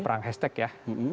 perang hashtag ya